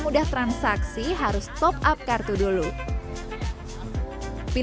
mau trophy tapi saya gak sedapnya uzal nih